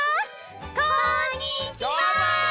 こんにちは！